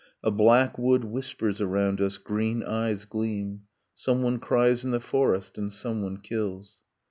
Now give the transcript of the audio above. . A black wood whispers around us, green eyes gleam; Someone cries in the forest, and someone kills.